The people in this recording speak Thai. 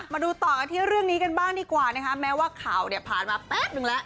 มาดูต่อกันที่เรื่องนี้กันบ้างดีกว่านะคะแม้ว่าข่าวเนี่ยผ่านมาแป๊บนึงแล้ว